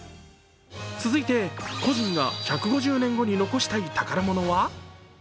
続いて、個人が１５０年後に残したい宝物は？